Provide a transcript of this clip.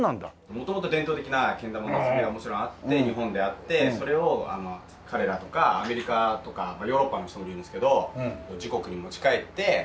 元々伝統的なけん玉の作りはもちろんあって日本であってそれを彼らとかアメリカとかヨーロッパの人もいるんですけど自国に持ち帰って。